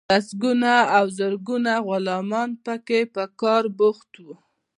لسګونه او زرګونه غلامان به پکې په کار بوخت وو.